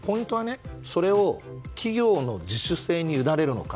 それを企業の自主性にゆだねるのか